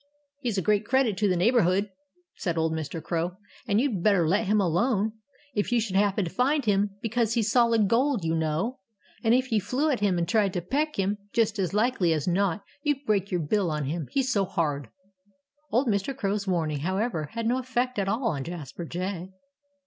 "He's a great credit to the neighborhood," said old Mr. Crow. "And you'd better let him alone, if you should happen to find him, because he's solid gold, you know. And if you flew at him and tried to peck him, just as likely as not you'd break your bill on him, he's so hard." Old Mr. Crow's warning, however, had no effect at all upon Jasper Jay.